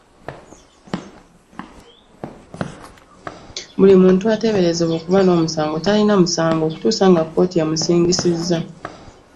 Buli muntu ateeberezebwa okuba n'omusango talina musango okutuusa nga kkooti emusingisizza.